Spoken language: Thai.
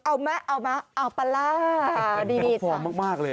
เอามาเอามาเอาไปล่า